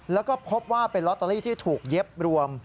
แล้วก็พบว่าเป็นลอตเตอรี่ที่ถูกเย็บรวม